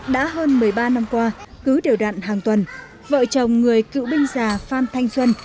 đã hơn một mươi ba năm qua cứ điều đạn hàng tuần vợ chồng người cựu binh già phan thanh xuân